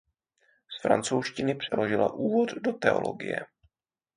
Z francouzštiny přeložila "Úvod do teologie".